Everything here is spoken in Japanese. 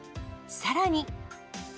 さらに。